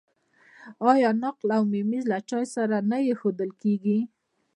آیا نقل او ممیز له چای سره نه ایښودل کیږي؟